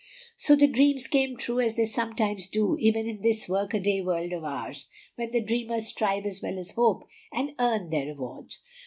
So the dreams came true, as they sometimes do even in this work a day world of ours, when the dreamers strive as well as hope, and earn their rewards.